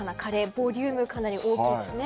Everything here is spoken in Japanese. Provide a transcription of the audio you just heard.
ボリュームかなり大きいですね。